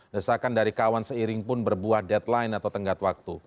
desakan dari kawan seiring pun berbuah deadline atau tenggat waktu